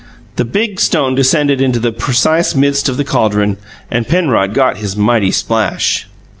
The big stone descended into the precise midst of the caldron and Penrod got his mighty splash.